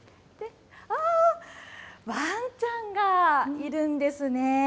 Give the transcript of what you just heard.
あー、ワンちゃんがいるんですね。